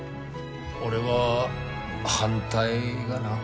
俺は反対がな。